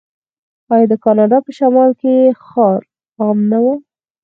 آیا د کاناډا په شمال کې ښکار عام نه و؟